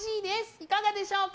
いかがでしょうか？